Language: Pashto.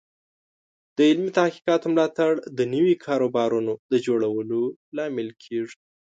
د علمي تحقیقاتو ملاتړ د نوي کاروبارونو د جوړولو لامل کیږي.